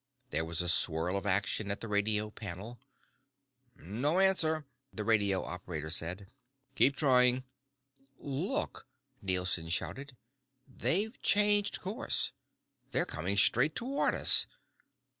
There was a swirl of action at the radio panel. "No answer," the radio operator said. "Keep trying." "Look!" Nielson shouted. "They've changed course. They're coming straight toward us."